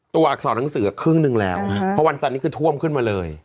อักษรหนังสือครึ่งหนึ่งแล้วเพราะวันจันทร์นี้คือท่วมขึ้นมาเลย